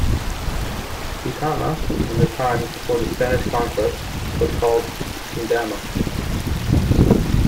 Duitama in the times before the Spanish conquest was called Tundama.